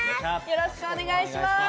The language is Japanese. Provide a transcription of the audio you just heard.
よろしくお願いします！